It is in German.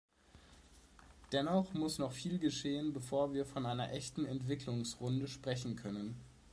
Dennoch muss noch viel geschehen, bevor wir von einer echten Entwicklungsrunde sprechen können.